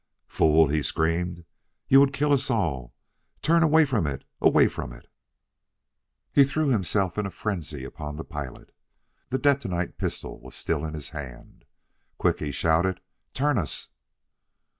"Fool!" he screamed, "you would kill us all? Turn away from it! Away from it!" He threw himself in a frenzy upon the pilot. The detonite pistol was still in his hand. "Quick!" he shouted. "Turn us!"